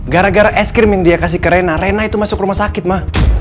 gara gara es krim yang dia kasih ke rena rena itu masuk rumah sakit mah